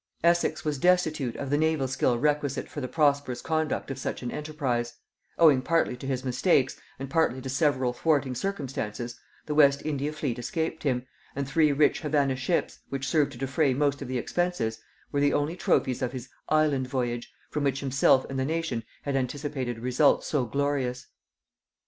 Essex was destitute of the naval skill requisite for the prosperous conduct of such an enterprise: owing partly to his mistakes, and partly to several thwarting circumstances, the West India fleet escaped him, and three rich Havannah ships, which served to defray most of the expenses, were the only trophies of his "Island Voyage," from which himself and the nation had anticipated results so glorious.